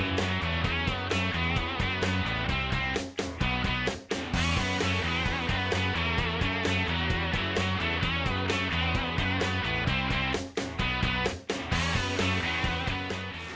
เส้นทาง